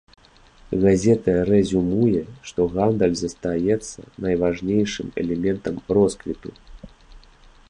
Газета рэзюмуе, што гандаль застаецца найважнейшым элементам росквіту.